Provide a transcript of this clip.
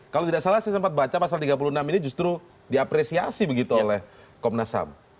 kalau tidak salah saya sempat baca pasal tiga puluh enam ini justru diapresiasi begitu oleh komnas ham